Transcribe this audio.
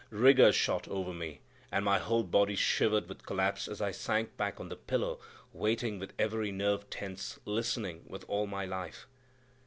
Rigors shot over me, and my whole body shivered with collapse as I sank back on the pillow, waiting with every nerve tense, listening with all my life.